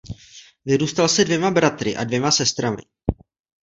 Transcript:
Vyrůstal se dvěma bratry a dvěma sestrami.